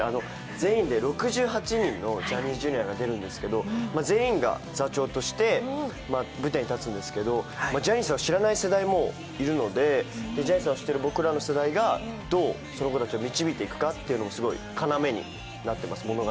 全員で６８人のジャニーズＪｒ．が出るんです、全員が座長として舞台に立つんですけど、ジャニーさんを知らない世代もいるので、ジャニーさんを知ってる僕らの世代をその子たちをどう導いていくかが物語の要になってます。